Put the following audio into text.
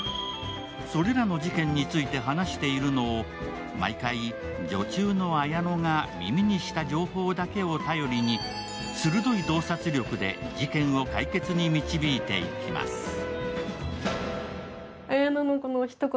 それらの事件について話しているのを毎回、女中のあやのが耳にした情報だけを頼りに鋭い洞察力で事件を解決に導いていきます。